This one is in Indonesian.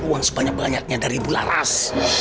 uang sebanyak banyaknya dari bu laras